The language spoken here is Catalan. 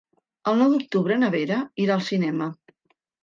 El nou d'octubre na Vera irà al cinema.